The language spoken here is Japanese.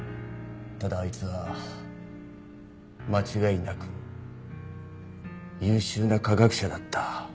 ただあいつは間違いなく優秀な科学者だった。